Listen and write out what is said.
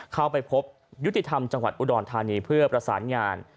เข้าไปพบยุติธรรมจังหวัดอุดรธานีเพื่อประสานงาน